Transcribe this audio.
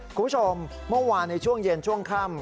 คุณผู้ชมเมื่อวานในช่วงเย็นช่วงค่ำ